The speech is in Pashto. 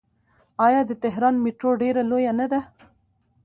آیا د تهران میټرو ډیره لویه نه ده؟